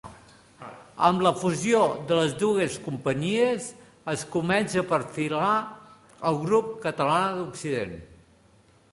Amb la fusió de les dues companyies es comença a perfilar el Grup Catalana Occident.